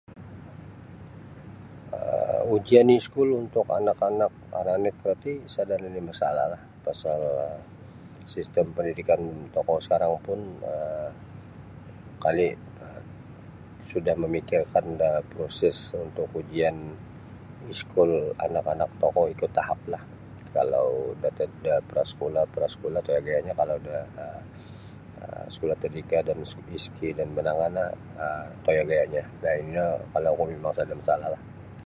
um Ujian iskul untuk anak-anak maranik roti sada' nini' masalahlah pasal sistem pendidikan tokou sakarang pun um kali' sudah mamikirkan da proses untuk ujian iskul anak-anak tokou ikut tahaplah. Kalau antad da prasekolah prasekolah toyo gayanyo kalau da um sekolah tadika' dan SK dan manangah no um toyo gaya'nyo da ino kalau oku mimang sada' masalahlah.